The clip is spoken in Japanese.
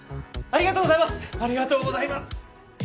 ありがとうございます！